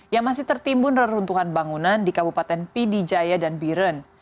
yang masih tertimbun reruntuhan bangunan di kabupaten pidijaya dan biren